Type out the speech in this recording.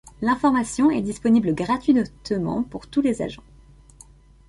L'information est disponible gratuitement pour tous les agents.